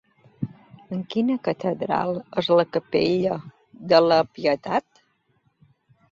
En quina Catedral és la capella de la Pietat?